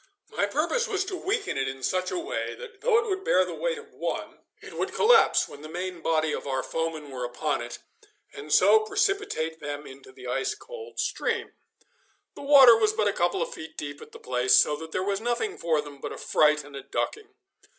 My purpose was to weaken it in such a way that, though it would bear the weight of one, it would collapse when the main body of our foemen were upon it, and so precipitate them into the ice cold stream. The water was but a couple of feet deep at the place, so that there was nothing for them but a fright and a ducking.